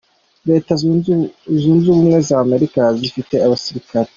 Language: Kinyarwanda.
Leta zunze Ubumwe za Amerika zifite abasirikari .